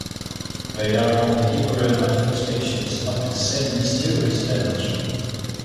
They are only different manifestations of the same mysterious energy.